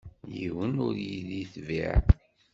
Yiwen ur yi-d-yetbiɛ.